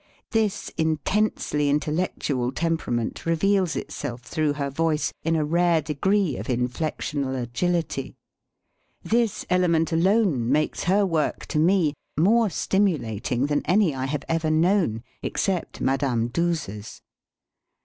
This intensely in tellectual temperament reveals itself through her voice in a rare degree of inflectional agil ity. This element alone makes her work, tq me, more stimulating than any I have ever known except Madame Duse's.